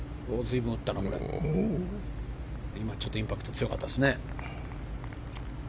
今、ちょっとインパクトが強かったですね。